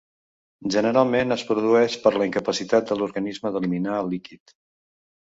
Generalment, es produeix per la incapacitat de l'organisme d'eliminar el líquid.